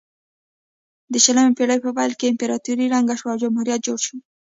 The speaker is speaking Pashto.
د شلمې پیړۍ په پیل کې امپراتوري ړنګه شوه او جمهوریت جوړ شو.